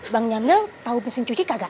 bang jamil tau mesin cuci kagak